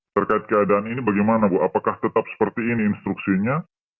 terkait keadaan ini bagaimana bu apakah tetap seperti ini instruksinya